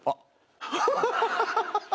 ハハハハ。